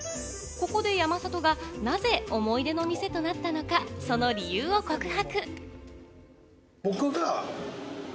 ここで山里がなぜ思い出の店となったのか、その理由を告白。